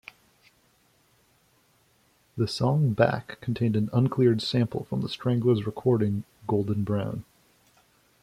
The song "Back" contained an uncleared sample from the Stranglers' recording "Golden Brown".